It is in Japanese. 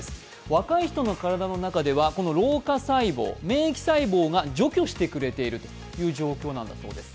若い人の体の中では老化細胞、免疫細胞が除去してくれている状況なんだそうです。